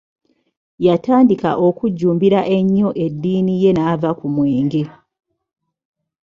Yatandika okujumbira ennyo eddiini ye n'ava ku mwenge.